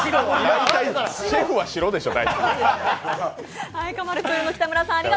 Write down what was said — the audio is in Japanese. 大体シェフは白でしょう。